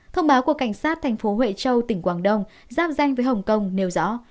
thông báo của cảnh sát thành phố huệ châu tỉnh quảng đông giáp danh với hồng kông nêu rõ